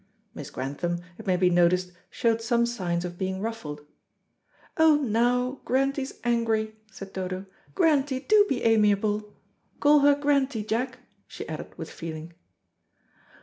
Miss Grantham, it may be noticed, showed some signs of being ruffled: "Oh, now, Grantie's angry," said Dodo. "Grantie, do be amiable. Call her Grantie, Jack," she added with feeling.